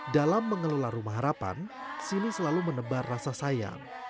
dalam mengelola rumah harapan sini selalu menebar rasa sayang